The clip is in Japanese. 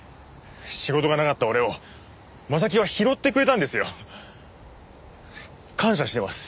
仕事がなかった俺を征木は拾ってくれたんですよ。感謝しています。